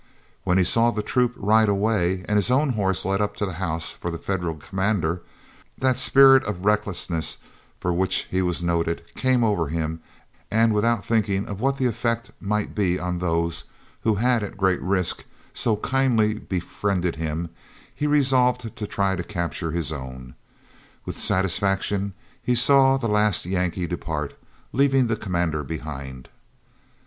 When he saw the troop ride away, and his own horse led up to the house for the Federal commander, that spirit of recklessness for which he was noted came over him, and without thinking of what the effect might be on those who had, at great risk, so kindly befriended him, he resolved to try to capture his own. With satisfaction he saw the last Yankee depart, leaving the commander behind.